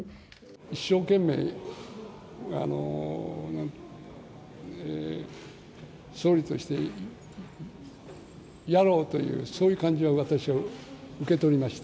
一生懸命、総理としてやろうという、そういう感じは私は受け取りました。